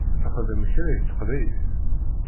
Texdem kra i teqbaylit?